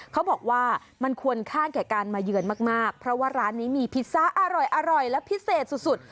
เขาบอกว่ามันควรค่าแก่การมาเยือนมากเพราะว่าร้านนี้มีพิซซ่าอร่อยและพิเศษสุด